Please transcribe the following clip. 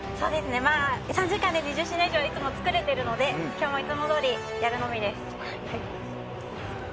３時間で２０品以上いつも作れているので今日もいつもどおりやるのみです。